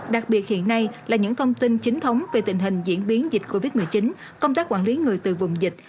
đặc biệt hiện nay là những thông tin chính thống về tình hình diễn biến dịch covid một mươi chín công tác quản lý người từ vùng dịch